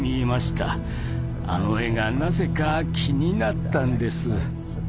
あの絵がなぜか気になったんです。